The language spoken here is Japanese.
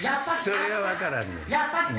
それが分からんねん。